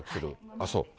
ああ、そう。